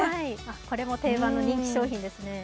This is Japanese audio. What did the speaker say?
これも定番の人気商品ですね。